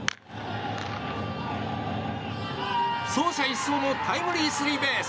走者一掃のタイムリースリーベース！